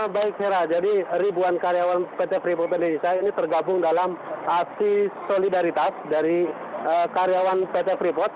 baik vera jadi ribuan karyawan pt freeport indonesia ini tergabung dalam aksi solidaritas dari karyawan pt freeport